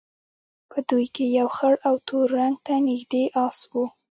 په دوی کې یو خړ او تور رنګ ته نژدې اس وو.